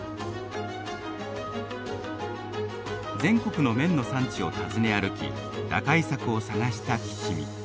全国の麺の産地を訪ね歩き打開策を探した吉見。